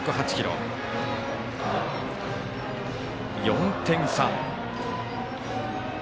４点差。